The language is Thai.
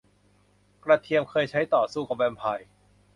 กระเทียมเคยใช้ต่อสู้กับแวมไพร์